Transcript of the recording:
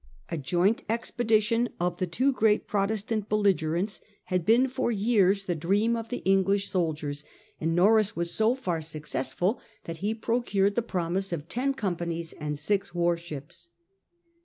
A joint expedition of the two great Protestant belligerents had been for years the XII THE GREAT WAR SYNDICATE 175 dream of the English soldiers, and Norreys was so far successful that he procured the promise of ten com panies and six warships.